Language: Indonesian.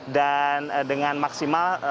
dan dengan maksimal